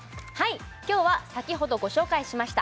今日は先ほどご紹介しました